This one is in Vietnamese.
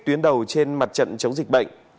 tuyến đầu trên mặt trận chống dịch bệnh